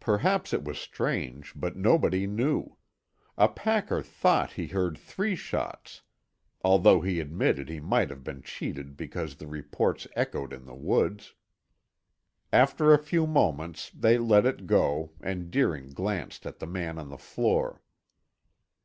Perhaps it was strange, but nobody knew. A packer thought he heard three shots, although he admitted he might have been cheated because the reports echoed in the woods. After a few moments they let it go and Deering glanced at the man on the floor.